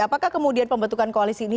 apakah kemudian pembentukan koalisi ini